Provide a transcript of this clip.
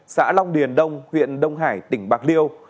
xã long điền đông huyện đông hải tỉnh bạc liêu